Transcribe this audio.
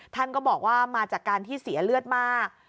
ท่านก็บอกว่ามาจากการที่เสียเลือดมาก